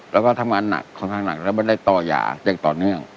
แล้วก็ทำงานหนักค่อนข้างหนักแล้วไม่ได้ต่อยาอย่างต่อเนื่อง